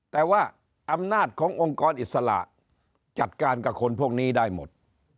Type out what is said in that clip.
แต่ว่าอำนาจขององค์กรอิสระจัดการกับคนพวกนี้ได้หมด